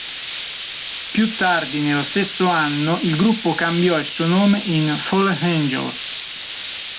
Più tardi nello stesso anno, il gruppo cambiò il suo nome in Fallen Angels.